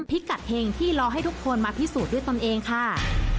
พิกัดเห็งที่รอให้ทุกคนมาพิสูจน์ด้วยตนเองค่ะ